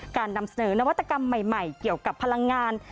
นำเสนอนวัตกรรมใหม่เกี่ยวกับพลังงาน